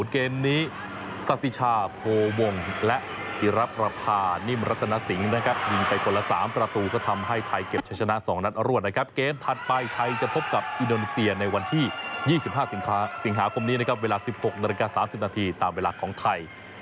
เกมนี้ซาสิชาโพวงและจิรับประพานิ่มรัตนสิงห์นะครับยิงไปคนละ๓ประตูก็ทำให้ไทยเก็บชะชนะ๒นัดรวดนะครับเกมถัดไปไทยจะพบกับอินโดนีเซียในวันที่๒๕สิงหาคมนี้นะครับเวลา๑๖นาฬิกา๓๐นาทีตามเวลาของไทย